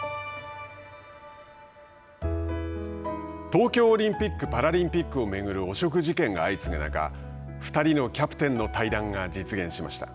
東京オリンピック・パラリンピックを巡る汚職事件が相次ぐ中２人のキャプテンの対談が実現しました。